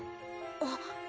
あっ。